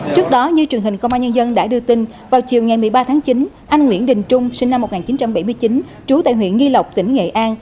trước đó như truyền hình công an nhân dân đã đưa tin vào chiều ngày một mươi ba tháng chín anh nguyễn đình trung sinh năm một nghìn chín trăm bảy mươi chín trú tại huyện nghi lộc tỉnh nghệ an